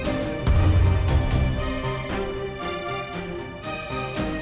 ya ini tidur anak kita